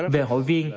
về hội viên